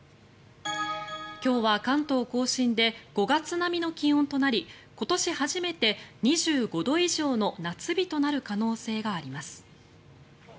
今日は関東・甲信で５月並みの気温となり今年初めて２５度以上の夏日となる可能性があります。